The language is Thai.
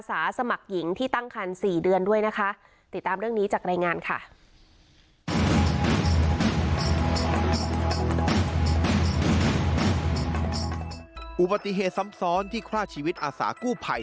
อุบัติเหตุซ้ำซ้อนที่ฆ่าชีวิตอาสากู้ภัย